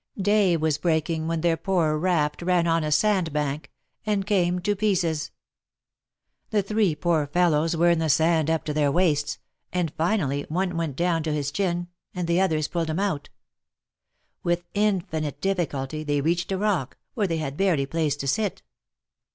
Day was breaking when their poor raft ran on a sand bank, and came to 116 THE MAEKETS OF PAEIS. pieces. The three poor fellows were in the sand up to their waists^ and finally one went down to his chin, and the others pulled him out. With infinite difficulty they reached a rock, where they had barely place to sit.